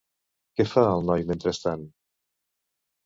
Què fa el noi mentrestant?